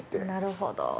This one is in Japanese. なるほど。